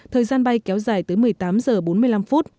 thời gian bay kéo dài tới một mươi tám giờ bốn mươi năm phút